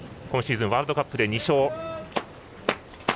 今シーズンワールドカップで２勝。